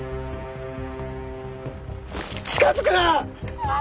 近づくな！